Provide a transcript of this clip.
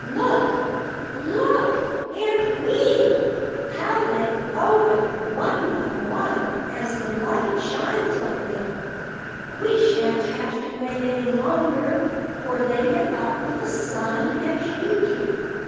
"Look, look, Aunt Wee! how they open, one by one, as the light shines on them! We shan't have to wait any longer; for they get up with the sun, as you do."